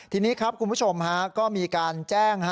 ทีนี้ครับคุณผู้ชมก็มีการแจ้ง